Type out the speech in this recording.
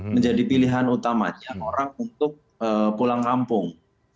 menjadi pilihan utama jalan orang untuk pulang kampung